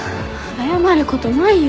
謝ることないよ。